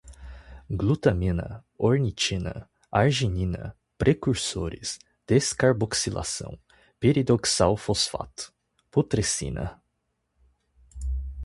glutamina, ornitina, arginina, precursores, descarboxilação, piridoxal fosfato, putrescina